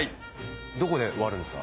どこで割るんですか？